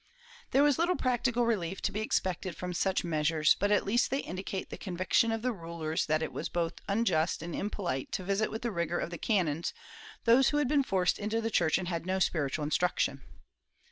^ There was little practical relief to be expected from such meas ures, but at least they indicate the conviction of the rulers that it was both unjust and impoUtic to visit with the rigor of the canons those who had been forced into the Church and had had no spir itual instruction.